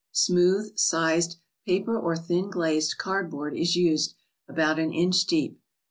Smooth, sized, paper or thin glazed card board is used, about an inch deep.